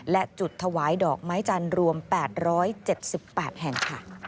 และจุดถวายดอกไม้จันรวม๘๗๘แห่ง